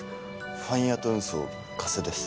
ファインアート運送加瀬です